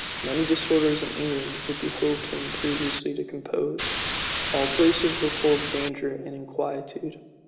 Many disorders in England it behoved him previously to compose. All places were full of danger and inquietude.